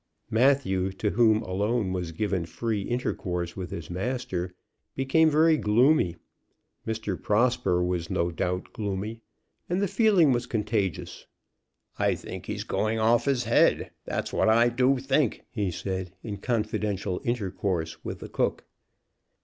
Matthew, to whom alone was given free intercourse with his master, became very gloomy. Mr. Prosper was no doubt gloomy, and the feeling was contagious. "I think he's going off his head; that's what I do think," he said, in confidential intercourse with the cook.